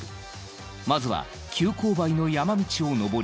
まずは急勾配の山道を登り